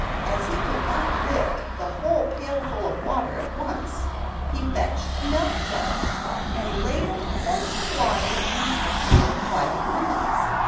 As he could not lift the whole pailful of water at once he fetched a milk jug and ladled quarts of water into the pail by degrees.